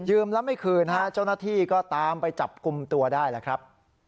แล้วไม่คืนฮะเจ้าหน้าที่ก็ตามไปจับกลุ่มตัวได้แล้วครับ